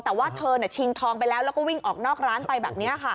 แต่ว่าเธอชิงทองไปแล้วแล้วก็วิ่งออกนอกร้านไปแบบนี้ค่ะ